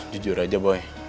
jujur aja boy